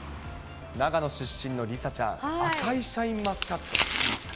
長野出身の梨紗ちゃん、赤いシャインマスカット、知ってましたか？